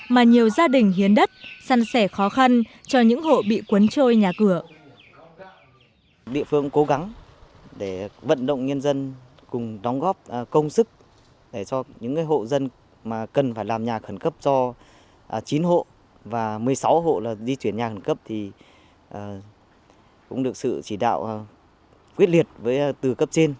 mà nhiều gia đình hiến đất săn sẻ khó khăn cho những hộ bị cuốn trôi nhà cửa